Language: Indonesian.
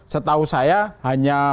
setahu saya hanya